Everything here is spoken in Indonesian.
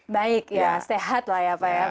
baik ya sehat lah ya pak ya